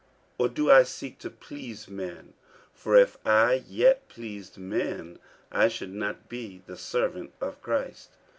or do I seek to please men? for if I yet pleased men, I should not be the servant of Christ.